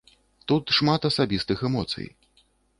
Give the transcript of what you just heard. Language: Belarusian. Тут шмат асабістых эмоцый.